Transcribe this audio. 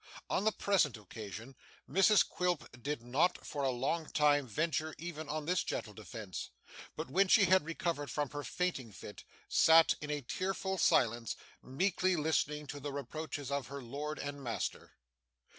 On the present occasion, Mrs Quilp did not for a long time venture even on this gentle defence, but when she had recovered from her fainting fit, sat in a tearful silence, meekly listening to the reproaches of her lord and master.